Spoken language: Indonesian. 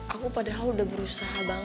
aku padahal udah ngerayu aku gak bisa ngerayu